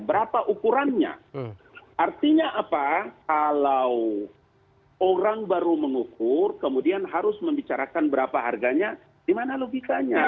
berapa ukurannya artinya apa kalau orang baru mengukur kemudian harus membicarakan berapa harganya di mana logikanya